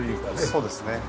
そうですね。